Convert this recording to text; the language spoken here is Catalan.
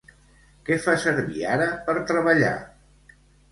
Què fa servir ara per treballar?